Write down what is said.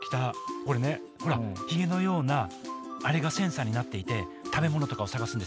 これねほらヒゲのようなあれがセンサーになっていて食べ物とかを探すんです。